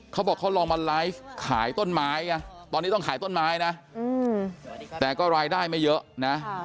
เขาบอกเขาลองมาไลฟ์ขายต้นไม้นะตอนนี้ต้องขายต้นไม้นะแต่ก็รายได้ไม่เยอะนะ